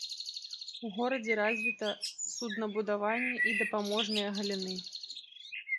У горадзе развіта суднабудаванне і дапаможныя галіны.